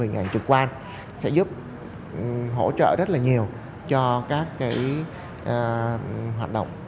hình ảnh trực quan sẽ giúp hỗ trợ rất là nhiều cho các hoạt động